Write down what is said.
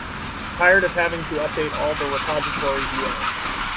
Tired of having to update all the repositories you own